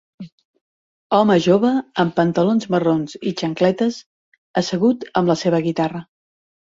Home jove amb pantalons marrons i xancletes assegut amb la seva guitarra.